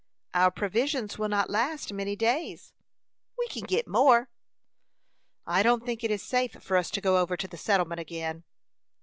"Our provisions will not last many days." "We kin git more." "I don't think it is safe for us to go over to the settlement again."